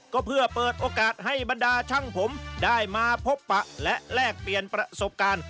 ก็เพื่อเปิดโอกาสให้บรรดาช่างผมได้มาพบปะและแลกเปลี่ยนประสบการณ์